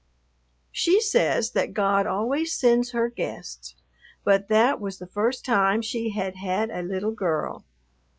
She says that God always sends her guests, but that was the first time she had had a little girl.